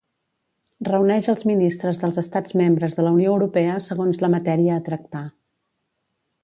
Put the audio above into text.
Reuneix als ministres dels estats membres de la Unió Europea segons la matèria a tractar.